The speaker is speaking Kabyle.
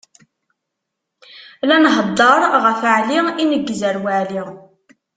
La nheddeṛ ɣef Ɛli ineggez ar Waɛli.